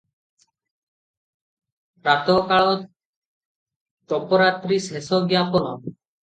ପ୍ରାତଃ କାଳ ତୋପ ରାତ୍ରି ଶେଷଜ୍ଞାପକ ।